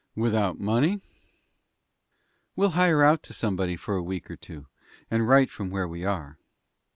"Without money?" "We'll hire out to somebody for a week or two and write from where we are."